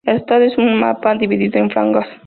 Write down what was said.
El resultado es un mapa dividido en franjas.